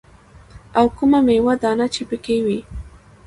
او کومه ميوه دانه چې پکښې وي.